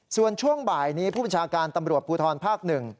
ส่วนช่วงบ่ายนี้ผู้บัญชาการตำรวจภูทรภาค๑